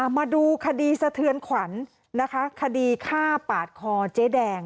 มาดูคดีสะเทือนขวัญนะคะคดีฆ่าปาดคอเจ๊แดง